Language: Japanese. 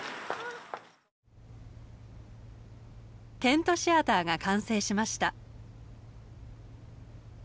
テントシアターが完成しました。